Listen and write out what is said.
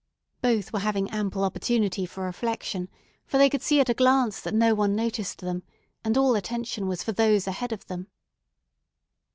Both were having ample opportunity for reflection, for they could see at a glance that no one noticed them, and all attention was for those ahead of them.